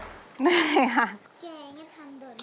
ไม่ค่ะ